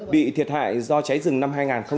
bị thiệt hại do cháy rừng năm hai nghìn hai mươi một